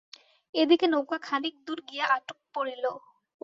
এদিকে নৌকা খানিক দূর গিয়া আটক পড়িল।